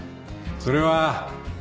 それは。